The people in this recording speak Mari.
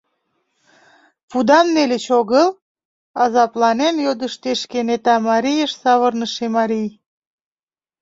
Пудам нельыч огыл? — азапланен йодыштеш кенета марийыш савырныше марий.